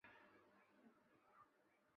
巨盗龙的食性仍然是个谜。